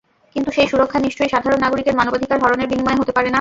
কিন্তু সেই সুরক্ষা নিশ্চয়ই সাধারণ নাগরিকের মানবাধিকার হরণের বিনিময়ে হতে পারে না।